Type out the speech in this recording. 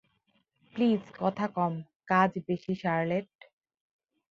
Please কথা কম, কাজ বেশি শার্লেট।